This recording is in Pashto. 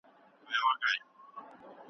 دغه حج دونه ښکلی دی چي زړه ته رانږدې کېږي.